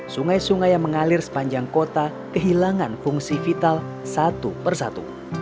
sungai sungai yang mengalir sepanjang kota kehilangan fungsi vital satu persatu